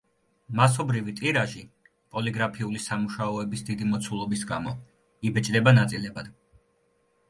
მასობრივი ტირაჟი პოლიგრაფიული სამუშაოების დიდი მოცულობის გამო იბეჭდება ნაწილებად.